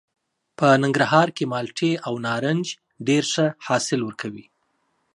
په ننګرهار کې مالټې او نارنج ډېر ښه حاصل ورکوي.